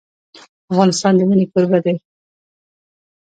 افغانستان د منی کوربه دی.